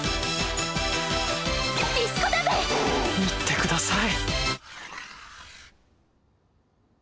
言ってください